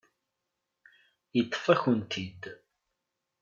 Yeṭṭef-akent-t-id.